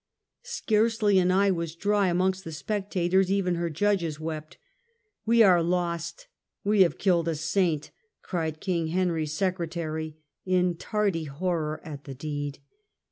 Scarcely an eye was dry amongst the spectators, even her judges wept. " We are lost, we have killed a saint," cried King Henry's secretary, in tardy horror at the deed.